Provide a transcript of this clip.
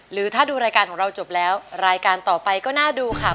หรือถ้าดูรายการของเราจบแล้วรายการต่อไปก็น่าดูค่ะ